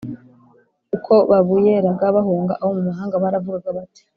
Uko babuyeraga bahunga, abo mu mahanga baravugaga bati